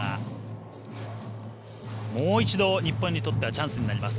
もう一度、日本にとってはチャンスになります。